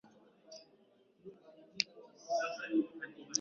Wa miaka kumi na tano aligunduliwa ana ugonjwa wa moyo